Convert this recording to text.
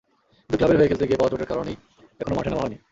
কিন্তু ক্লাবের হয়ে খেলতে গিয়ে পাওয়া চোটের কারণেই এখনো মাঠে নামা হয়নি।